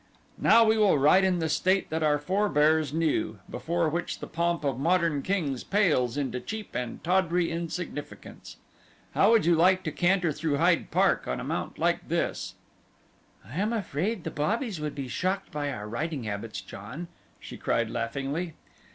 "Now will we ride in the state that our forebears knew, before which the pomp of modern kings pales into cheap and tawdry insignificance. How would you like to canter through Hyde Park on a mount like this?" "I am afraid the Bobbies would be shocked by our riding habits, John," she cried, laughingly.